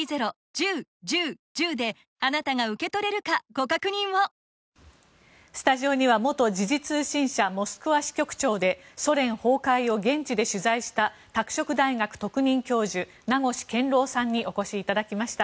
今の戦争はロシア対ウクライナではなくスタジオには元時事通信社モスクワ支局長でソ連崩壊を現地で取材した拓殖大学特任教授名越健郎さんにお越しいただきました。